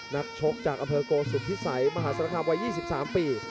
นักชกจากอำเภอโกสุมพิสัยมหาศาลคามวัย๒๓ปี